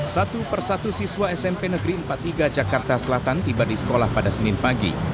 satu persatu siswa smp negeri empat puluh tiga jakarta selatan tiba di sekolah pada senin pagi